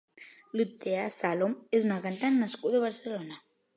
Luthea Salom és una cantant nascuda a Barcelona.